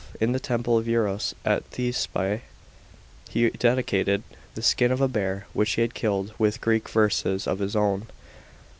In the temple of Eros at Thespiae he dedicated the skin of a bear, which he had killed, with Greek verses ot his own.